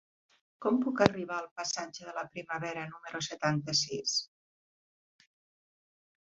Com puc arribar al passatge de la Primavera número setanta-sis?